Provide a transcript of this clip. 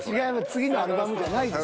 次のアルバムじゃないです。